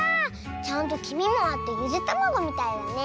ちゃんときみもあってゆでたまごみたいだね。